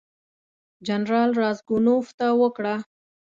جنرال راسګونوف ته وکړه.